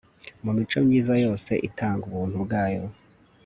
Mu mico myiza yose itanga ubuntu ubwayo